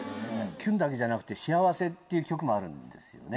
『きゅん』だけじゃなくて『幸せ』っていう曲もあるんですよね？